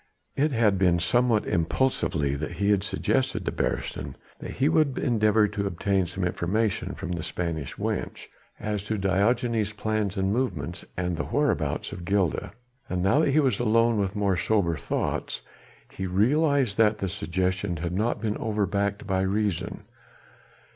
It had been somewhat impulsively that he had suggested to Beresteyn that he would endeavour to obtain some information from the Spanish wench as to Diogenes' plans and movements and the whereabouts of Gilda, and now that he was alone with more sober thoughts he realised that the suggestion had not been over backed by reason.